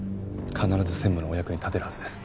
必ず専務のお役に立てるはずです。